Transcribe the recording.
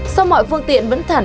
sau mọi phương tiện vẫn thẳng